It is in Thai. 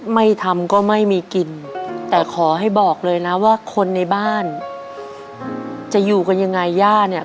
ไม่ทำก็ไม่มีกินแต่ขอให้บอกเลยนะว่าคนในบ้านจะอยู่กันยังไงย่าเนี่ย